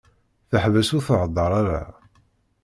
Teḥbes ur theddeṛ ara.